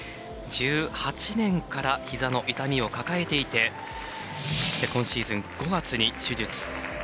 １８年からひざの痛みを抱えていて今シーズン、５月に手術。